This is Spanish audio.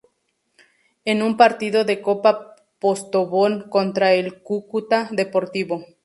En un partido de Copa Postobon contra el Cúcuta Deportivo